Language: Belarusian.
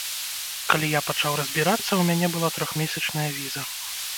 Калі я пачаў разбірацца, у мяне была трохмесячная віза.